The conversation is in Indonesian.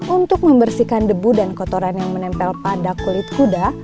untuk membersihkan debu dan kotoran yang menempel pada kulit kuda